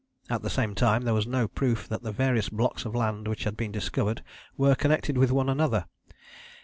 At the same time there was no proof that the various blocks of land which had been discovered were connected with one another.